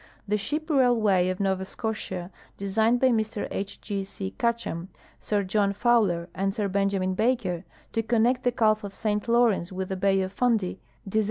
The ship railway of Nova Seotiii, designed by Mr H. G. C. Ketchum, Sir .John Fowler, and Sir Benjamin baker, to connect the gulf of St. Ivaw rence with the hay of Fundy, d('serv